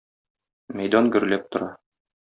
Мәйдан гөрләп тора.